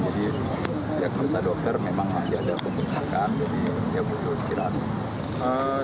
jadi ya kursa dokter memang masih ada penggunaan kan jadi dia butuh istirahat